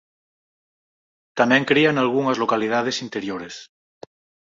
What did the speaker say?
Tamén cría nalgunhas localidades interiores.